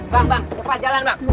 bang bang cepat jalan